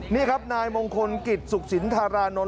นี่ครับนายมงคลกิจสุขสินธารานนท